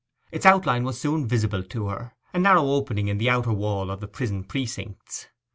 Its outline was soon visible to her—a narrow opening in the outer wall of the prison precincts.